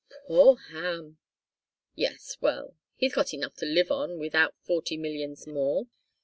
"Poor Ham!" "Yes well he's got enough to live on without forty millions more."